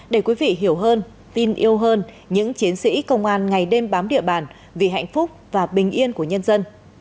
để quý vị hiểu hơn tin yêu hơn những chiến sĩ công an ngày đêm bám địa bàn vì hạnh phúc và bình yên của nhân dân